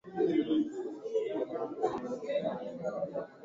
eeh kina mama wetu wa kiafrika leo katika kutaka kufutia kiurembo